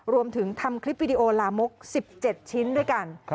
ทำคลิปวิดีโอลามก๑๗ชิ้นด้วยกัน